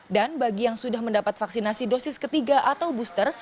dan bagi yang sudah mendapat vaksinasi dosis ketiga atau booster